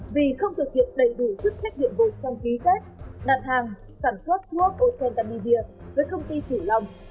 vì không thực hiện đầy đủ chức trách nhiệm vụ trong ký kết nạn hàng sản xuất thuốc ocentamidia với công ty thủy long